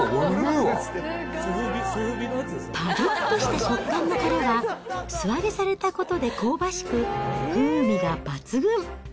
ぱりっとした食感の殻は、素揚げされたことで香ばしく、風味が抜群。